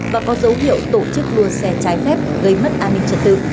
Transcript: và có dấu hiệu tổ chức đua xe trái phép gây mất an ninh trật tự